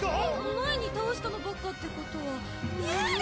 前に倒したのばっかってことは幽霊！？